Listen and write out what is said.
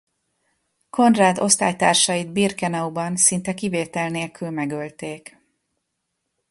Konrád osztálytársait Birkenauban szinte kivétel nélkül megölték.